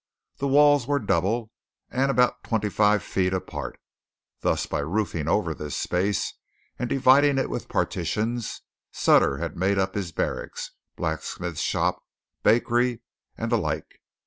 The walls were double, and about twenty five feet apart. Thus by roofing over this space, and dividing it with partitions, Sutter had made up his barracks, blacksmith shop, bakery, and the like.